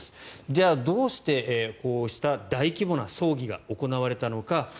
じゃあ、どうしてこうした大規模な葬儀が行われたのか。